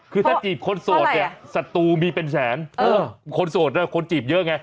คือถ้าจีบคนโสดเนี่ยศัตรูมีเป็นแสนคนโสดคนจีบเยอะไง